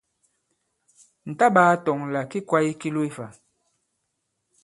Ǹ ta-ɓāa-tɔ̄ŋ tɔ̀ là ki kwāye ki lo ifã.